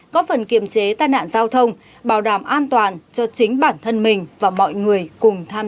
có phần kiềm chế tai nạn giao thông bảo đảm an toàn cho chính bản thân mình và mọi người cùng tham